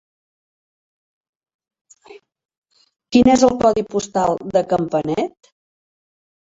Quin és el codi postal de Campanet?